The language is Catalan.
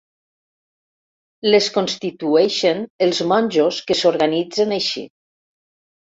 Les constitueixen els monjos que s'organitzen així.